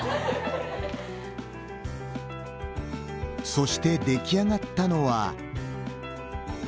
そして、出来上がったのは。